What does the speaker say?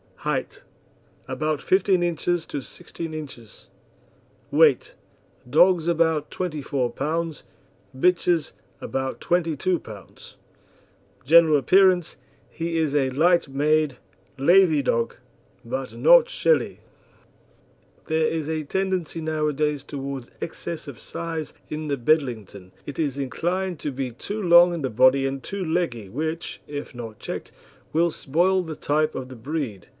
HEIGHT About 15 inches to 16 inches. WEIGHT Dogs about 24 pounds; bitches about 22 pounds. GENERAL APPEARANCE He is a light made, lathy dog, but not shelly. There is a tendency nowadays towards excess of size in the Bedlington. It is inclined to be too long in the body and too leggy, which, if not checked, will spoil the type of the breed.